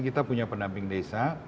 kita punya pendamping desa